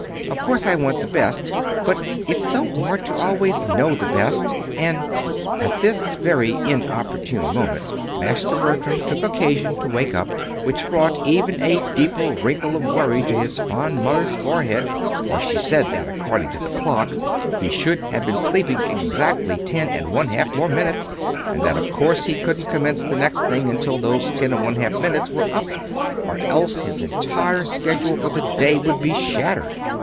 Of course I want the best; but it's so hard to always know the best, and " At this very inopportune moment Master Bertram took occasion to wake up, which brought even a deeper wrinkle of worry to his fond mother's forehead; for she said that, according to the clock, he should have been sleeping exactly ten and one half more minutes, and that of course he couldn't commence the next thing until those ten and one half minutes were up, or else his entire schedule for the day would be shattered.